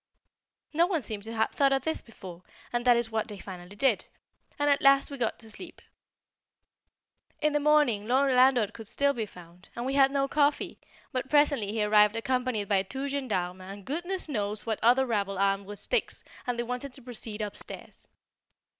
No one seemed to have thought of this before; and that is what they finally did, and at last we got to sleep. In the morning no landlord could still be found, and we had no coffee, but presently he arrived accompanied by two gendarmes and goodness knows what other rabble armed with sticks, and they wanted to proceed upstairs.